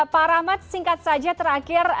pak rahmat singkat saja terakhir